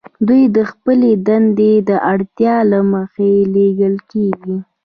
دوی د خپلې دندې د اړتیا له مخې لیږل کیږي